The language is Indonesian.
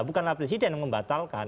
bukanlah presiden yang membatalkan